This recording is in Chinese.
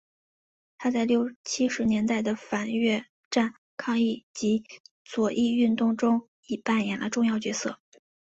他在六七十年代的反越战抗议及左翼运动中亦扮演了重要角色。